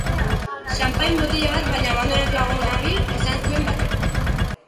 Xanpain botila bat baino abandonatuago nabil esango zuen batek.